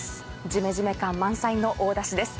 ジメジメ感満載の大田市です。